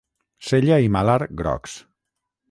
Cella i malar grocs.